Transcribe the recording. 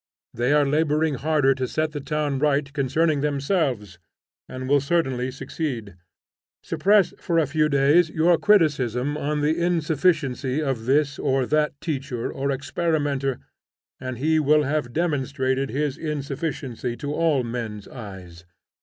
They are laboring harder to set the town right concerning themselves, and will certainly succeed. Suppress for a few days your criticism on the insufficiency of this or that teacher or experimenter, and he will have demonstrated his insufficiency to all men's eyes.